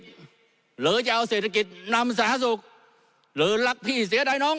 หรือจะเอาเศรษฐกิจนำสาธารณสุขหรือรักพี่เสียดายน้อง